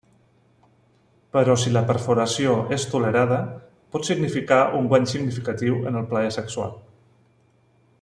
Però si la perforació és tolerada, pot significar un guany significatiu en el plaer sexual.